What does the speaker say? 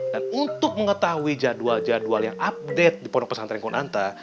dan untuk mengetahui jadwal jadwal yang update di pondok pesantren kunanta